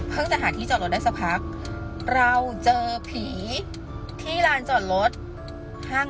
จะหาที่จอดรถได้สักพักเราเจอผีที่ลานจอดรถห้าง